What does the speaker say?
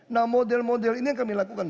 nah model model ini yang kami lakukan